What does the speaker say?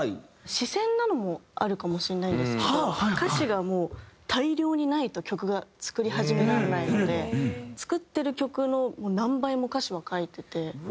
詞先なのもあるかもしれないんですけど歌詞がもう大量にないと曲が作り始められないので作ってる曲の何倍も歌詞は書いてて。